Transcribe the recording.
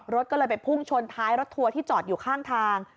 รถก็เลยไปพุ่งชนท้ายรถทัวร์ที่จอดอยู่ข้างทาง